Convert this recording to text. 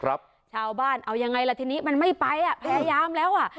ชาวบ้านเอายังไงล่ะทีนี้มันไม่ไปอ่ะพยายามแล้วอ่ะ